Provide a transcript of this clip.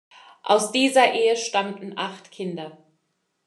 Aus dieser Ehe stammten acht Kinder.